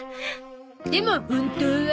でも本当は？